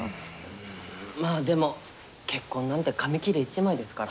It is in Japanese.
まあでも結婚なんて紙切れ一枚ですから。